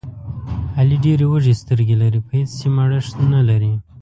علي ډېرې وږې سترګې لري، په هېڅ شي مړښت نه لري.